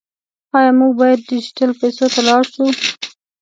آیا موږ باید ډیجیټل پیسو ته لاړ شو؟